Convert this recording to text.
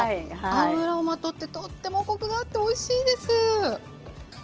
油をまとってとってもコクがあっておいしいです。